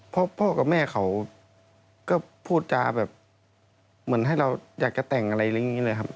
เพราะพ่อกับแม่เขาก็พูดจาแบบเหมือนให้เราอยากจะแต่งอะไรอย่างนี้เลยครับ